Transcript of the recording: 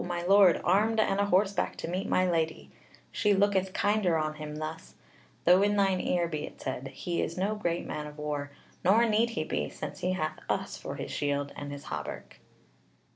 my Lord, armed and a horseback to meet my lady: she looketh kinder on him thus; though in thine ear be it said, he is no great man of war; nor need he be, since he hath us for his shield and his hauberk."